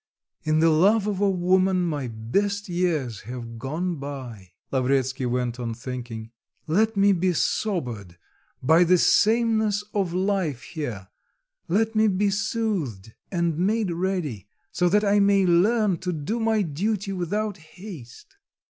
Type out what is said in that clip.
In the love of a woman my best years have gone by," Lavretsky went on thinking, "let me be sobered by the sameness of life here, let me be soothed and made ready, so that I may learn to do my duty without haste."